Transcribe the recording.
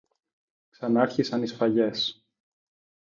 Ξανάρχισαν οι σφαγές